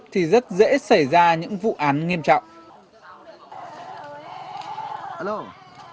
thì rất dễ xảy ra những vụ án nghiêm trọng